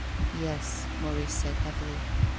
" Yes," Maurice said heavily.